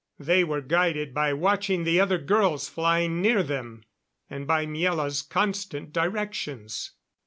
They were guided by watching the other girls flying near them, and by Miela's constant directions.